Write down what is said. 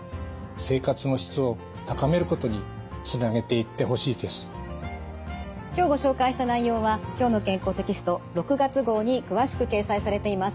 いたずらに不安になることなく今日ご紹介した内容は「きょうの健康」テキスト６月号に詳しく掲載されています。